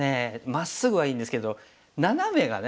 まっすぐはいいんですけどナナメがね。